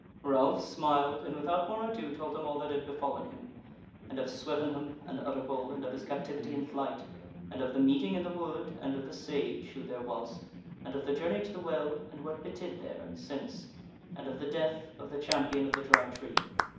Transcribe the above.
Ralph smiled, and without more ado told him all that had befallen him; and of Swevenham and Utterbol, and of his captivity and flight; and of the meeting in the wood, and of the Sage (who there was), and of the journey to the Well, and what betid there and since, and of the death of the Champion of the Dry Tree.